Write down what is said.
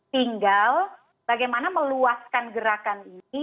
tinggal bagaimana meluaskan gerakan ini